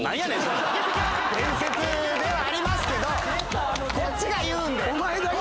伝説ではありますけどこっちが言うんで。